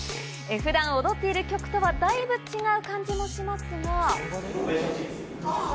普段踊っている曲とはだいぶ違っている感じがしますが。